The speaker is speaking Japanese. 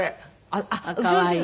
あっ可愛い。